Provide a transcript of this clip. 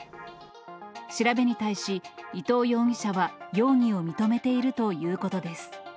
調べに対し、伊藤容疑者は容疑を認めているということです。